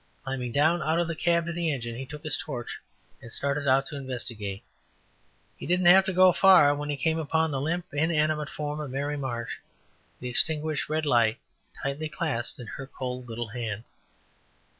Climbing down out of the cab of the engine, he took his torch, and started out to investigate. He didn't have far to go, when he came upon the limp, inanimate form of Mary Marsh, the extinguished red light tightly clasped in her cold little hand.